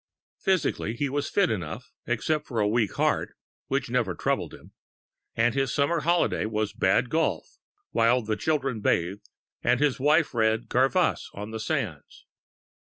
Physically, he was fit enough, except for a weak heart (which never troubled him); and his summer holiday was bad golf, while the children bathed and his wife read "Garvice" on the sands.